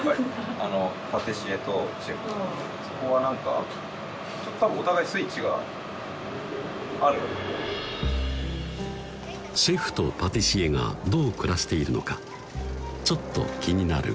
そこは何かシェフとパティシエがどう暮らしているのかちょっと気になる